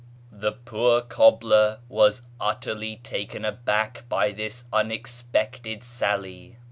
" The poor cobbler was utterly taken aback by this un expected sally.